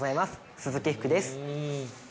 鈴木福です。